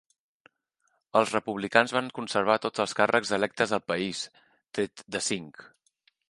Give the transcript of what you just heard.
Els Republicans van conservar tots els càrrecs electes al país, tret de cinc.